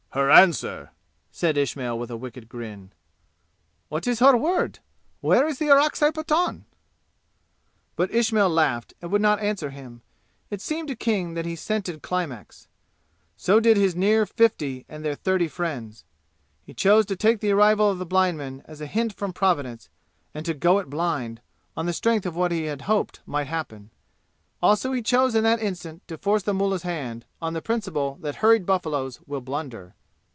"Her answer!" said Ismail with a wicked grin. "What is her word? Where is the Orakzai Pathan?" But Ismail laughed and would not answer him. It seemed to King that he scented climax. So did his near fifty and their thirty friends. He chose to take the arrival of the blind men as a hint from Providence and to "go it blind" on the strength of what he had hoped might happen. Also he chose in that instant to force the mullah's hand, on the principle that hurried buffaloes will blunder.